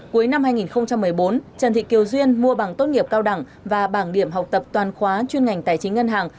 cuối năm hai nghìn một mươi bốn trần thị kiều duyên mua bằng tốt nghiệp cao đẳng và bảng điểm học tập toàn khóa chuyên ngành tài chính ngân hàng